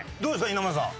稲村さん。